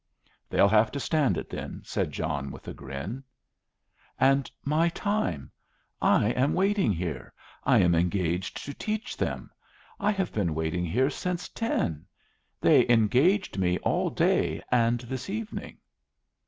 "They'll have to stand it, then," said John, with a grin. "And my time. I am waiting here. I am engaged to teach them. I have been waiting here since ten. They engaged me all day and this evening.